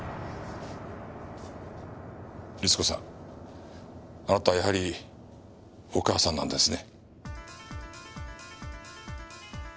律子さんあなたはやはりお母さんなんですね。